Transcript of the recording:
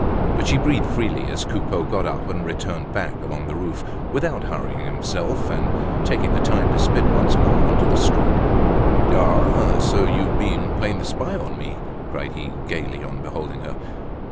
But she breathed freely as Coupeau got up and returned back along the roof, without hurrying himself, and taking the time to spit once more into the street. "Ah! ah! so you've been playing the spy on me!" cried he, gaily, on beholding her.